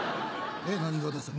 何がですか？